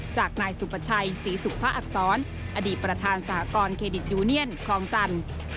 จากนายสุประชัยศรีสุภาอักษรอดีตประธานสหกรณเครดิตยูเนียนคลองจันทร์